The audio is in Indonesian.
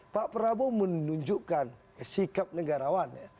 pak prabowo menunjukkan sikap negarawan